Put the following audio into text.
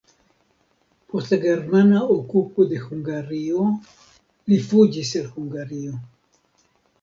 Post la germana okupo de Hungario li fuĝis el Hungario.